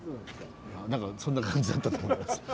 何かそんな感じだったと思います。